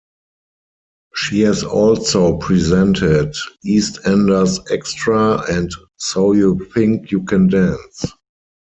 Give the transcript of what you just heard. She has also presented "EastEnders Xtra" and "So You Think You Can Dance".